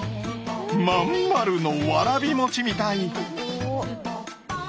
真ん丸のわらび餅みたい！